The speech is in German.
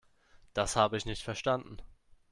Das habe ich nicht verstanden.